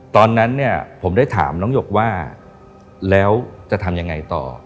ตอนนั้นเนี่ยผมได้ถามน้องหยกว่าแล้วจะทำยังไงต่อ